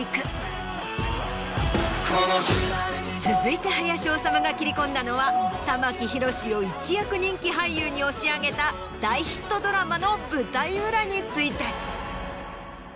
続いて林修が切り込んだのは玉木宏を一躍人気俳優に押し上げた大ヒットドラマの舞台裏について。